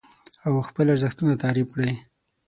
او خپل ارزښتونه تعريف کړئ.